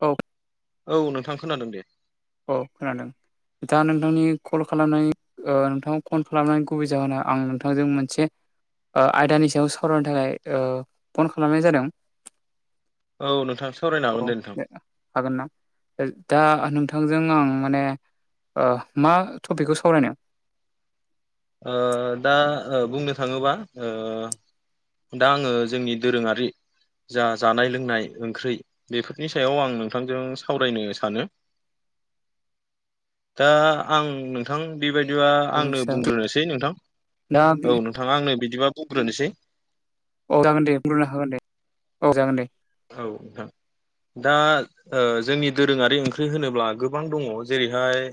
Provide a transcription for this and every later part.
औ औ नोंथां खोनादों दे औ खोनादों बिथांङा नोंथांनि कल खालामनायनि ओ नोंथांखौ फन खालामनानै गुबै जाहोना आं नोंथांजों मोनसे ओ आयदानि सायाव सावरायनो थाखाय ओ फन खालामनाय जादों औ नोंथां सावरायनो औ हागोन दे नोंथां हागोन ना दा नोंथ थांजों आं माने मा ओ टपिकखौ सावरायनो ओ दा बुंनो थाङोबा ओ दा आङो जोंनि दोरोङारि जा जानाय लोंनाय ओंख्रि बेफोरनि सायाव आं नोंथांजों सावरायनो सानो [inaudible] दा आं नोंथां बेबायदिबा आंनो बुंग्रोनोसै नोंथां दा औ नोंथां आंनो बिदिबा बुंग्रोनोसै औ जागोन दे बुंग्रोनो हागोन दे औ जागोन दे औ नोंथां दा जोंनि दोरोङारि ओंख्रि होनोब्ला गोबां दंङो जेरैहाय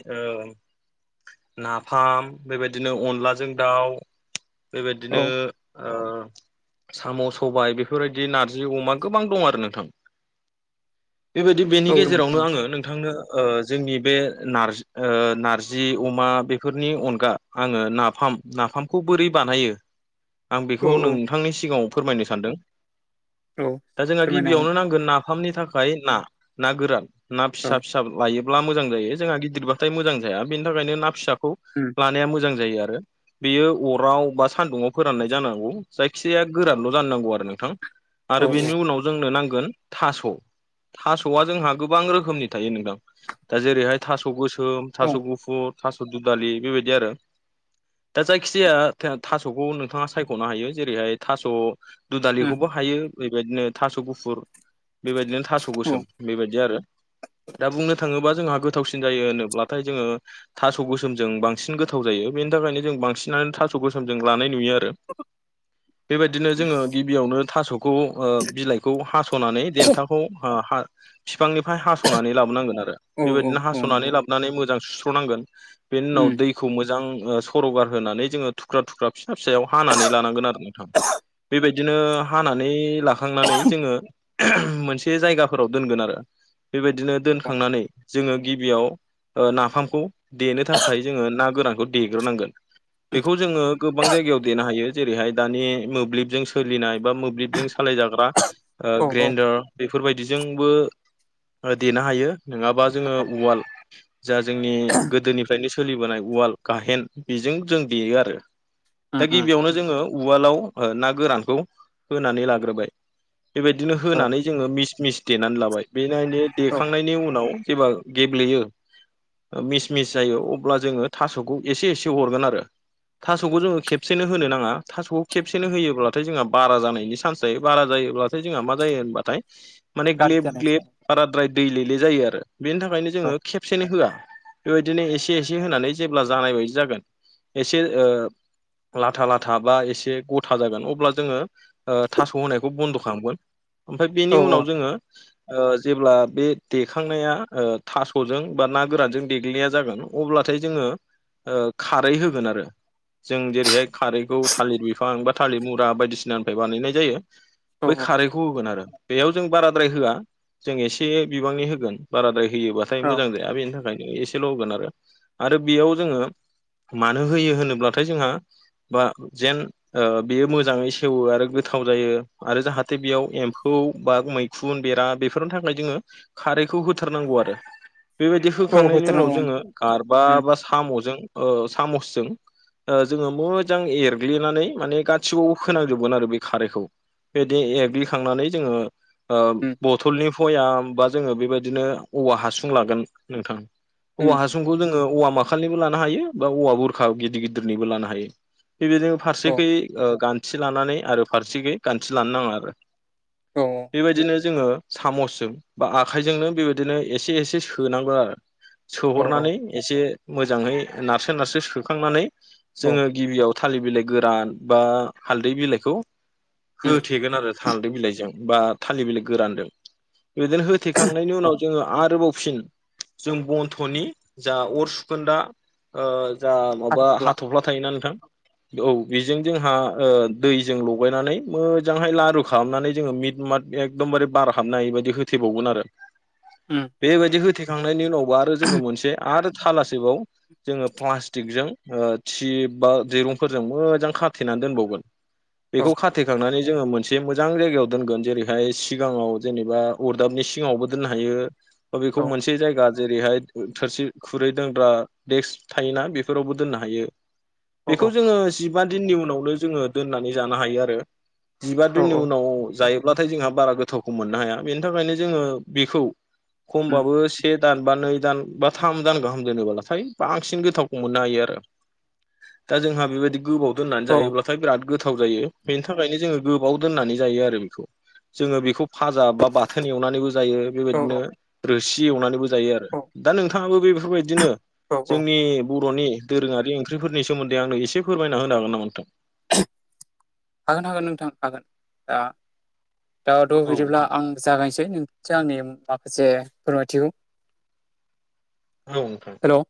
नाफाम बेबायदिनो अनलाजों दाउ बेबायदिनो औ साम' सबाय बेफोरबायदि नारजि अमा गोबां दं आरो नोंथां बेबायदि बेनि औ गेजेरावनो आङो नोंथांनो जोंनि बे नारजि नारजि अमा बेफोरनि अनगा आंङो नाफाम नाफामखौ बोरै बानायो [inaudible] आं बेखौ नोंथांनि सिगाङाव फोरमायनो सानदों औ दा जोंहा फोरमायनो हागोन गिबियावनो नांगोन नाफामनि थाखाय ना ना गोरान ना औ फिसा फिसा लायो ब्ला मोजां जायो जोंहा गिदिरबाथाय मोजां जाया बेनि थाखायनो ना फिसाखौ उम लानाया मोजां जायो आरो बेयो अराव बा सान्दुंङाव फोराननाय जानांगौ जायखिजाया गोरानल' जानो नांगौ आरो नोंथां औ आरो बेनि उनाव जोंनो नांगोन थास' थास'आ जोंहा गोबां रोखोमनि थायो नोंथां दा जेरैहाय थास' गोसो औ थास' गुफुर थास' दुदालि बेबायदि आरो दा जायखि जाया थास'खौ नोंथाङा सायख'नो हायो जेरैहाय थास' उम दुदालिखौबो हायो बेबायदिनो थास' गुफुर बेबायदिनो थास' औ गोसोम बेबायदि आरो दा बुंनो थाङोबा जोंहा गो गोथावसिन जायो होनोब्लाथाय जोंङो थास' गोसोमजों बांसिन गोथाव जायो बेनि थाखायनो जों बांसिनानो थास' थास गोसोम जों लानाय नुयो आरो बेबायदिनो जोङो गिबियावनो थास' खौ बिलाइखौ हास'नानै देन्थाखौ फिफांनिफाय हास'नानै लाबोनांगोन आरो औ औ बेबायदिनो औ हास'नानै नंगौ लाबोनानै मोजां सुस्र'नांगोन बेनि उनाव उम दै खौ मोजां ओ सर'गार होनानै जोङो थुख्रा थुख्रा फिसा फिसायाव हानानै लानांगोन आरो नोंथां [inaudible] बेबायदिनो हानानै लाखांनानै जोङो मोनसे जायगाफोराव दोनगोन आरो बेबायदिनो दोनखांनानै जोङो गिबियाव नाफामखौ देनो थाखाय जोङो ओ ना गोरानखौ देग्रोनांगोन बेखौ जोङो गोबां जायगायाव देनो हायो जेरैहाय दानि मोब्लिबजों सोलिनाय बा मोब्लिब जों सालाय जाग्रा ओ औ औ ग्रेन्डार बेफोर बायदिजोंबो ओ देनो हायो नङाबा जोङो उवाल जा जोंनि गोदोनिफ्रायनो सोलिबोनाय उवाल गाहेन बेजों जों देयो आरो उम दा उम गिबियावनो जोङो उवालाव ओ ना गोरानखौ होनानै लाग्रोबाय बेबादिनो औ होनानै जोङो मिस मिस देनानै लाबाय बेनायनि औ देखांनायनि उनाव जेब्ला गेब्लेयो ओ मिस मिस जायो अब्ला जोङो थास'खौ एसे एसे हरगोन आरो थास'खौ जोङो खेबसेनो होनो नाङा थास'खौ खेबसेनो होयोब्लाथाय जोंहा बारा जानाय नि चान्स थायो बारा जायोब्लाथाय जोंहा मा जायो होनबाथाय माने गाज्रि ग्लेब जानाय ग्लेब बाराद्राय दैलेले जायो आरो बेनि थाखायनो औ जोङो खेबसेनो होआ बेबायदिनो एसे एसे होनानै जेब्ला जानाय बायदि जागोन एसे ओ लाथा लाथा बा एसे गथा जागोन अब्ला जोङो ओ थास' होनायखौ बन्द' खालामगोन ओमफ्राय औ बेनि उनाव जोङो ओ जेब्ला बे देखांनाया ओ थास'जों बा ना गोरानजों देग्लिनाया जागोन अब्लाथाय जोङो ओ खारै होगोन आरो जों जेरैहाय खारैखौ थालिर बिफां बा थालिर मुरा बायदिसिनानिफ्राय बानायनाय जायो औ बै खारैखौ होगोन आरो बेयाव जों बाराद्राय होआ जों एसे बिबांनि होगोन बाराद्राय होयोबाथाय औ मोजां जाया बेनि थाखायनो एसेल' होगोन आरो आरो बेयाव जोङो मानो होयो होनोब्लाथाय जोंहा बा जेन ओ बेयो मोजाङै सेवो आरो गोथाव जायो आरो जाहाथे बेयाव एम्फौ बा मैखुन बेरा बेफोरनि थाखाय जोङो खारैखौ होथारनांगौ आरो बेबायदि औ होखांनायनि उनाव होथारनांगौ जोङो गारबा उम बा साम'जों ओ सामुसजों ओ जोङो मोजां एरग्लिनानै माने गाससिआवबो फोनांजोबगोन आरो बे खारैखौ बेदि एग्लिखांनानै जोङो ओ उम बथ'लनि बयाम बा जोङो बेबायदिनो औवा हासुं लागोन नोंथां औवा उम हासु सुंखौ जोङो औवा माखालनिबो लानो हायो बा औवा बुरखा गिदिर गिदिरनिबो लानो हायो बेबायदिनो औ फारसेखै ओ गान्थि लानानै आरो फारसेखै गान्थि लानो नाङा आरो औ बेबायदिनो जोङो साम'सजों बा आखाइजोंनो बेबायदिनो एसे एसे सोनांगो आरो औ सोहरनानै एसे मोजाङै नारसो नारसो सोखांनानै औ जोङो गिबियाव थालि बिलाइ गोरान बा हालदै बिलाइखौ उम होथेगोन आरो हालदि बिलाइजों बा थालि बिलाइ गोरानदों बिदिनो होथेखांनायनि औ उनाव जोङो आरोबाव फिन जों बन्थ'नि जा अर सुखोनदा ओ जा माबा हाथफ्ला थायोना नोंथां औ बिजों जोंहा ओ दैजों लगायनानै मोजांहाय लारु खालामनानै जोङो मिथ मात एकदमबारे बार हाबनोहायि बादि हो थेबावगोन आरो ओम बेबायदि होथेखांनायनि उनावबो आरो जोङो मोनसे आरो थालासेबाव जोङो प्लास्टिकजों ओ थि बा दिरुंफोरजों मोजां खाथेनानै दोनबावगोन औ बेखौ खाथेखांनानै जोङो मोन एसे मोजां जायगायाव दोनगोन जेरैहाय सिगाङाव जेनेबा अरदाबनि सिगाङावबो दोननो हायो बेखौ औ मोनसे जायगा जेरैहाय थोरसि, खुरै दोनग्रा देक्स थायोना बेफोरावबो दोननो हायो औ बेखौ जोङो जिबा दिननि उनावनो जोङो दोननानै जानो हायो आरो जिबा औ दिननि औ उनाव जायोब्लाथाय जोंहा बारा गोथावखौ मोननो हाया बेनि थाखायनो जोङो बेखौ उम खमबाबो से दान बा नै दान बा थाम दान गाहाम दोनोबालाथाय बांसिन गोथावखौ मोननो हायो आरो दा जोंहा बेबायदि गोबाव दोननानै औ जायोब्ला बिराद गोथाव जायो बेनि थाखायनो जोङो गोबाव दोननानै जायो आरो बिखौ जोङो बेखौ फाजा बा बाथोन एवनानैबो जायो औ बेबायदिनो रोसि एवनानैबो जायो आरो दा नोंथाङाबो बेफोरबायदिनो औ औ जोंनि बर'नि दोरोङारि ओंख्रिफोरनि सोमोन्दै आंनो एसे फोरमायना होनो हागोन नामा नोंथां? हागोन हागोन नोंथां हागोन दा दाथ' औ बिदिब्ला आं जागायनिसै नों आंनि माखासे फोरमायथिखौ औ नोंथां हेल'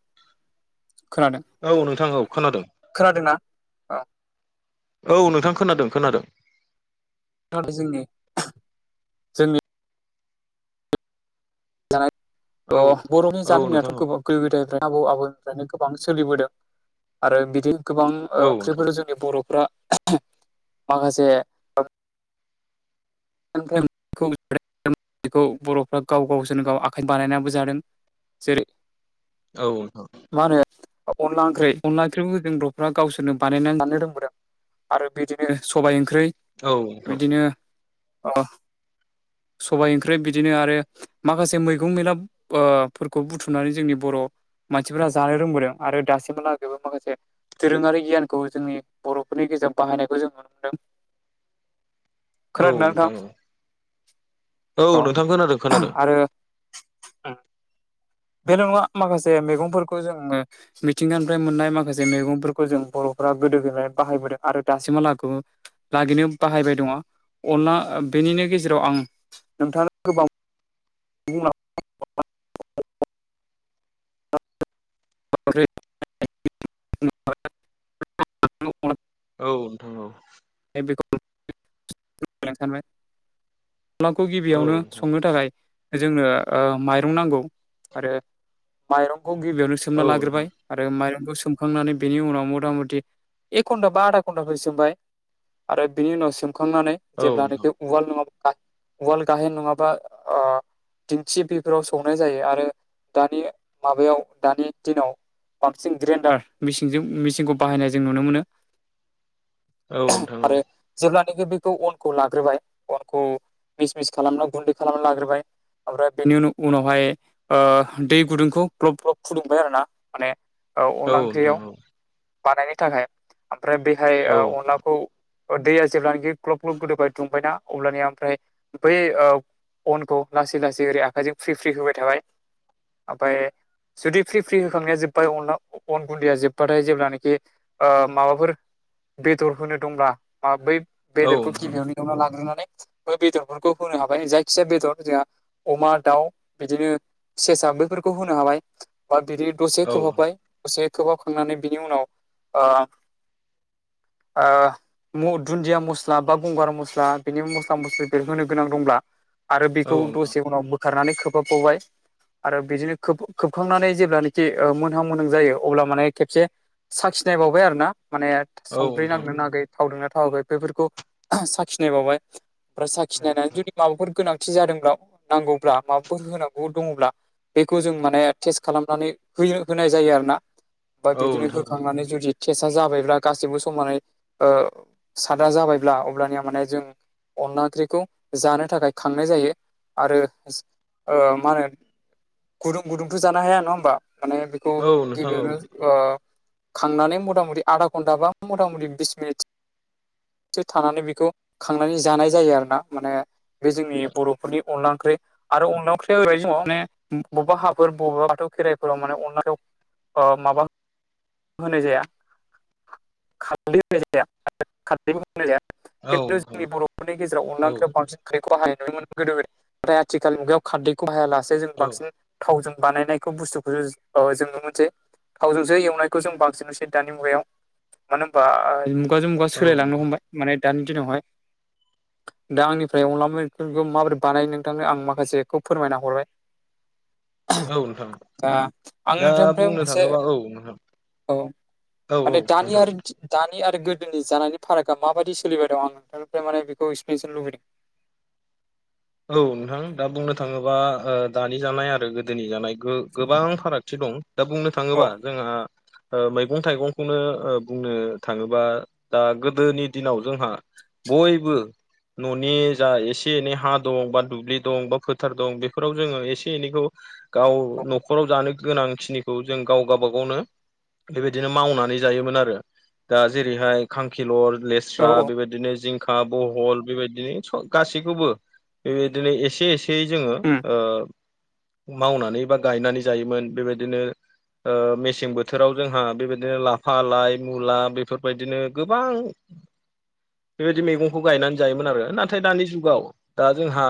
खोनादों औ नोंथां औ खोनादों खोनादोंना? औ औ नोंथां खोनादों खोनादों [unintelligible] जोंनि जोंनि जानाय औ थ' बर'नि औ जारिमिनाथ' नोंथां औ गोबां गोदो-गोदायनिफ्राय आबौ-आबैनिफ्रायनो गोबां सोलिबोदों आरो बिदि गोबां ओ औ नोंथां ओंख्रिफोर जों बर'फ्रा माखासे [unintelligible] बर'फ्रा गाव गावसोरनो गाव आखाइजों बानायनाबो जादों जेरै औ औ मा होनो अनला ओंख्रि अनला ओंख्रिखौ जों बर'फ्रा गावसोरनो बानायनानै जानो रोंबोदों आरो बिदिनो सबाइ ओंख्रि औ नोंथां अ सबाय ओंख्रि बिदिनो आरो माखासे मैगं मैला ओ फोरखौ बुथुमनानै जोंनि बर' मानसिफोरा जानो रोंबोदों आरो दासिमहालागैबो माखासे दोरोङारि गियानखौ जोंनि बर'फोरनि गेजेराव बाहायनायखौ जों नुनो मोन्दों औ खोनादोंना नोंथां औ औ नोंथां खोनादों औ खोनादों आरो बेल नङा माखासे मैगंफोरखौ जोङो मिथिंगानिफ्राय मोननाय माखासे मैगंफोरखौ जों बर'फोरा गोदो गोलाय बाहायबोदों आरो दासिमहालागै लागिनो बाहायबाय दङ अनला बेनिनो गेजेराव आं नोंथां गोबां ज [unintelligible] [unintelligible] औ नोंथां औ [unintelligible] सानबाय अनलाखौ औ गिबियावनो संनो थाखाय जोंनो ओ माइरं नांगौ आरो माइरंखौ गिबियावनो सोमना औ लाग्रोबाय नोंथां आरो माइरंखौ सोमखांनानै बेनि उनाव मथा मथि एक घन्टा बा आधा घन्टाफोर सोमबाय आरो बिनि उनाव सोमखांनानै औ जेब्लानोखि उवाल नङाबा वाल गाहेन नङाबा दिंखि बेफोराव सौनाय जायो आरो दानि माबायाव दानि दिनाव बांसिन ग्रेन्डार मिसिनजों मिसिनखौ बाहायनाय जों नुनो मोनो नोंथां आरो जेब्लानोाखि बेखौ अनखौ लाग्रोबाय अनखौ मिस मिस खालामनानै गुन्दै खालामना लाग्रोबाय ओमफ्राय बेनि उन उनावहाय ओ दै गुदुंखौ ग्लब ग्लब फुदुंबाय आरो ना माने औ अनदला नोंथां ओंख्रियाव बानायनो थाखाय ओमफ्राय बेहाय औ नोंथां औ अनला खौ दैया जेब्लानोखि ग्लब ग्लब गोदोबाय दुंबायना अब्लानिया ओमफ्राय बै अनखौ लासै लासै ओरै आखाइजों फ्रि फ्रि होबाय थाबाय ओमफ्राय जुदि फ्रि फ्रि होखांनाया जोब्बाय अन अन गुन्दैया जोब्बाथाय जेब्ला ओ माबाफोर बेदर होनो दंब्ला बै औ बेदरखौ नोंथां गिबियावनो एवफ्रामना लाग्रोनानै बे बेदरफोरखौ होनो हाबाय जायखिजाया बेदर जोंहा अमा दाउ बिदिनो सेसा बेफोरखौ होनो हाबाय बा बिदि दसे औ खोबहाबबाय दसे खोबहाबखांनानै बिनि उनाव ओ ओ दुन्दिया मस्ला बा गंगार मस्ला बिनि मस्ला मस्लि होनो गोनां दंब्ला आरो औ बेखौ नोंथां दसे उनाव बोखारनानै खोबहाबावबाय आरो बिदिनो खोबखांनानै जेब्लानोाखि ओ मोनहां मोनहां जायो अब्ला माने खेबसे साखिनाय बावबाय आरो ना माने संख्रि नांदों नाङाखै थावदों ना थावाखै बेफोरखौ साखिनाय बावबाय ओमफ्राय औ साखिनायनानै जुदि माबाफोर गोनां थि जादोंब्ला नांगौब्ला माबाफोर होनांगौ दंब्ला बेखौ जों माने टेस्ट खालामनानै हो होनाय जायो आरोना बा औ बिदिनो नोंथां हो माने जुदि टेसआ जाबायब्ला गासिबो समानै ओ सादा जाबायब्ला अब्लानिया माने जों अनला ओंख्रिखौ जानो थाखाय खांनाय जायो आरो ओ मा होनो गुदुं गुदुंथ' जानो हाया नङा होमबा माने खौ औ नोंथां औ नोंथां औ नोंथां औ गिबियावनो ओ खांनानै मथा मथि आधा घन्टा बा मथा मथि बिस मिनिट थानानै बेखौ खांनानै जानाय जायो आरो ना माने बे जोंनि बर'फोरनि अनला ओंख्रि आरो अनला ओंख्रियाव होबाय जोंनाव माने बबेबा हाफोर बबेबा बाथौ खेराइफोराव माने अनला [unintelligible] ओ माबा होनाय जाया खारदै होनाय [unintelligible] जाया खारदै होनाय औ खिन्थु नोंथां जोंनि बर'फोरनि गेजेराव अनला औ ओंख्रियाव बांसिन खारदैखौ हाय नुनोमोन गोदो गोदाय [unintelligible] नाथाय आथिखाल मुगायाव खारदैखौ हायालासे जों औ बांसिन थावजों बानायनायखौ बुस्थुखौ जों नुनो मोनसे थावजोंसो एवनाय खौ जों बांसिननोसै दानि मुगायाव मानो होनबा मुगाजों मुगा सोलायलांनो हमबाय। माने दानि दिनावहाय दा आंनिफ्राय अनला मखौ माबोरै बानाय नोंथांनो आं माखासेखौ फोरमायना हरबाय। औ नोंथां दा आं दा नोंथांनिफ्राय बुंनो मोनसे थाङोबा औ नोंथां औ दानि आरो दानि आरो गोदोनि जानायनि फारागआ माबायदि सोलिबाय दं आं नोंथांनिफ्राय माने बेखौ एक्सप्लेनसन लुुबैदों। औ नोंथां दा बुंनो थाङोबा दानि जानाय आरो गोदोनि जानाय गोबां फारागथि दं दा बुंनो थाङोबा औ जोंहा मैगं थाइगंखौनो बुंनो थाङोबा दा गोदोनि दिनाव जोंहा बयबो न'नि जा एसे एनै हा दं बा दुब्लि दं बा फोथार दं बेफोराव जोङो एसे एनैखौ गाव औ न'खराव जानो गोनांखिनिखौ जों गाव गावबा गावनो बेबायदिनो मावनानै जायोमोन आरो दा जेरैहाय खांखिलर लेस स्रा औ औ बेबायदिनो जिंखा बहल बेबायदिनो गासैखौबो बेबायदिनो एसे एसेयै जोङो उम मावनानै बा गायनानै जायोमोन बेबायदिनो मेसें बोथोराव जोंहा बेबायदिनो लाफा लाइ मुला बेफोरबायदिनो गोबां [inaudible] बेबायदि मैगंखौ गायनानै जायोमोन आरो नाथाय दानि जुगाव दा जोंहा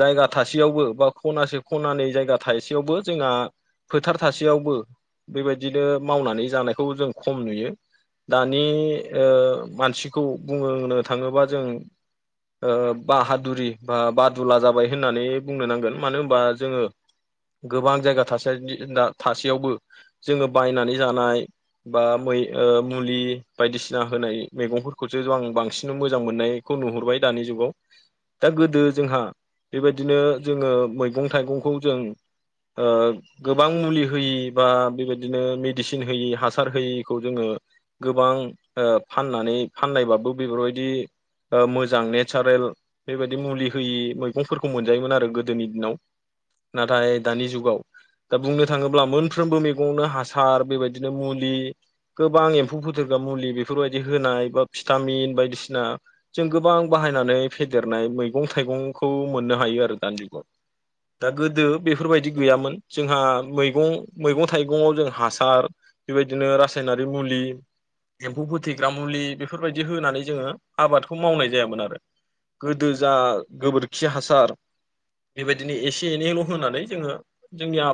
जायगा थासेयावबो बा खनासे खनानै जायगा थाइसेयावबो जोंहा फोथार थासेयावबो बेबायदिनो मावनानै जानायखौ जों खम नुयो। दानि मानसिखौ बुंनो थाङोबा जों ओ बाहादुरि बा बादुला जाबाय होननानै बुंनो नांगोन मानो होनबा जोङो गोबां जायगा थसे थासेयावबो जोङो बायनानै जानाय बा मै मुलि बायदिसिना होनाय मैगंफोरखौसो आं बांसिन मोजां मोननाय खौ नुहुरबाय दानि जुगाव दा गोदो जोंहा बेबायदिनो जोङो मैगं थाइगंखौ जों ओ गोबां मुलि होयि बा बेबायदिनो मेडिसिन होयि हासार होयिखौ जोङो गोबां ओ फाननानै फाननायबाबो बेफोरबायदि मोजां नेसारेल बेबायदि मुलि होयि मैगंफोरखौ मोनजायोमोन आरो गोदोनि दिनाव। नाथाय दानि जुगाव दा बुंनो थाङोब्ला मोनफ्रोमबो मैगंनो हासार बेबायदिनो मुलि गोबां एम्फौ बुथारग्रा मुलि बेफोरबायदि होनाय बा भिटामिन बायदिसिना जों गोबां बाहायनानै फेदेरनाय मैगं थाइगंखौ मोननो हायो आरो दानि जुगाव। दा गोदो बेफोरबायदि गैयामोन जोंहा मैगं मैगं थाइगङाव जों हासार बेबायदिनो रासायनारि मुलि एम्फौ फोथैग्रा मुलि बेफोरबायदि होनानै जोङो आबादखौ मावनाय जायामोन आरो। गोदो जा गोबोरखि हासार बेबायदिनो एसे एनैल होनानै जोङो जोंनि आब